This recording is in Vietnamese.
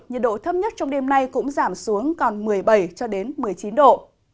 nhiệt độ thấp nhất trong đêm nay cũng giảm xuống còn một mươi bảy cho đến một mươi chín độ